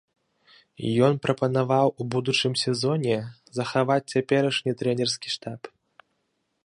Ён прапанаваў у будучым сезоне захаваць цяперашні трэнерскі штаб.